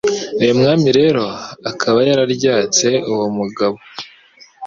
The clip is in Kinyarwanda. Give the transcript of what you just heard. Uyu Mwami rero akaba yararyatse uwo mugabo